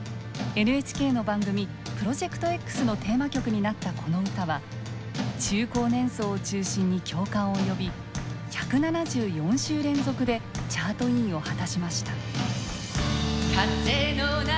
ＮＨＫの番組「プロジェクトＸ」のテーマ曲になったこの歌は中高年層を中心に共感を呼び１７４週連続でチャートインを果たしました。